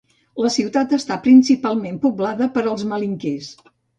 La ciutat està principalment poblada per els malinkés.